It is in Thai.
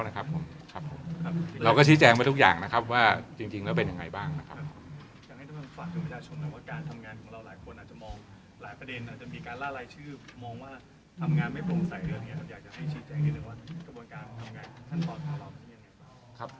ผมอยากจะให้ชิดแจ้งที่หนึ่งว่ากระบวนการทำงานของท่านพอร์ตของเราเป็นอย่างเงี้ยไงครับ